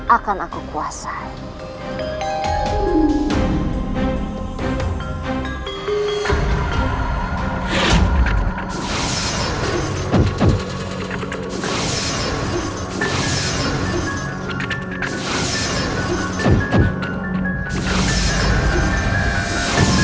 akan aku kembali